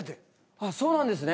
あっそうなんですね